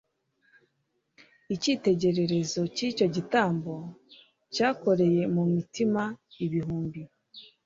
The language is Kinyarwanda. icyitegererezo cy'icyo gitambo cyakoreye mu mitima ibihumbi,